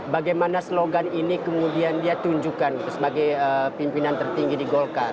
bagaimana slogan ini kemudian dia tunjukkan sebagai pimpinan tertinggi di golkar